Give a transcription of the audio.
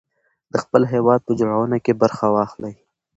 د خپل هېواد په جوړونه کې برخه واخلئ.